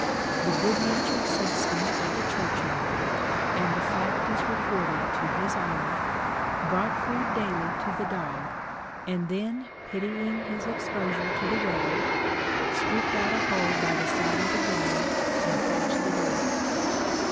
The good natured sexton of the churchyard, (and the fact is recorded to his honour,) brought food daily to the dog, and then pitying his exposure to the weather, scooped out a hole by the side of the grave, and thatched it over.